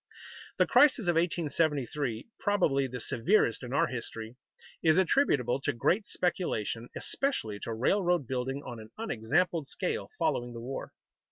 The crisis of 1873, probably the severest in our history, is attributable to great speculation, especially to railroad building on an unexampled scale following the war.